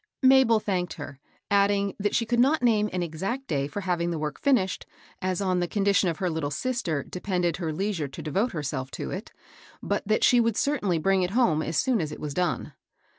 Mabel thanked her, adding that she could not name any exact day for having the work finished, as on the condition of her Uttle sister depended her leisure to devote herself to it, but that she would certainly bring it home so soon as it was done.